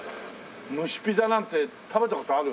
蒸しピザなんて食べた事ある？